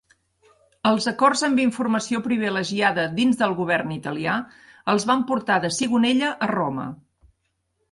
Els acords amb informació privilegiada dins del govern italià els van portar de Sigonella a Roma.